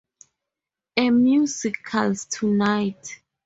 A Musicals Tonight!